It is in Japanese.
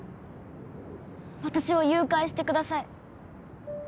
私を誘拐してください